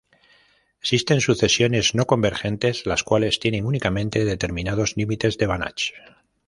Existen sucesiones no convergentes las cuales tienen únicamente determinados límites de Banach.